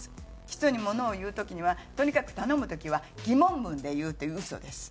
人にものを言う時にはとにかく頼む時は疑問文で言うっていうウソです。